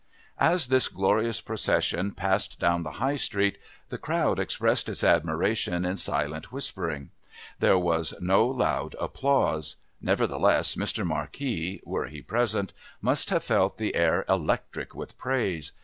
As this glorious procession passed down the High Street the crowd expressed its admiration in silent whispering. There was no loud applause; nevertheless, Mr. Marquis, were he present, must have felt the air electric with praise.